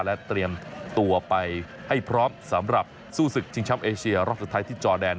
และเตรียมตัวไปให้พร้อมสำหรับสู้ศึกชิงช้ำเอเชียรอบสุดท้ายที่จอแดน